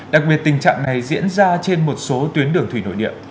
đặc biệt tình trạng này diễn ra trên một số tuyến đường thủy nội địa